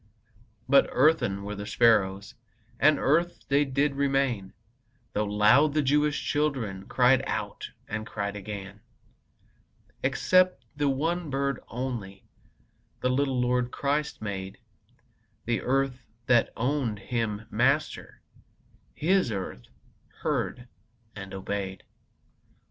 But earthen were the sparrows, And earth they did remain, Though loud the Jewish children Cried out, and cried again. Except the one bird only The little Lord Christ made; The earth that owned Him Master, His earth heard and obeyed.